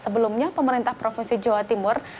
sebelumnya pemerintah provinsi jawa timur